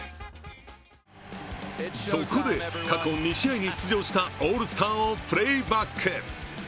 そこで過去２試合に出場したオールスターをプレーバック。